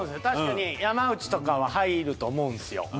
確かに山内とかは入ると思うんですよ。